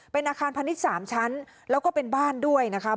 เป็นอาคารพาณิชย์๓ชั้นแล้วก็เป็นบ้านด้วยนะคะ